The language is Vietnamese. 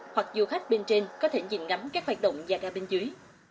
hoặc du khách bên trên có thể nhìn ngắm các hoạt động nhà ga bên dưới